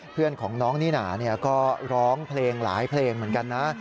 เพื่อนของน้องนิน่าก็ร้องเพลงหลายเพลงเหมือนกันนะ